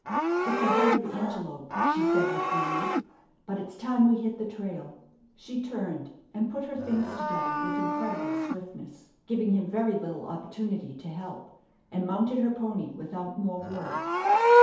"It's a herd of antelope," she said with relief; "but it's time we hit the trail." She turned, and put her things together with incredible swiftness, giving him very little opportunity to help, and mounted her pony without more words.